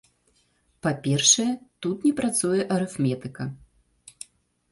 Па-першае, тут не працуе арыфметыка.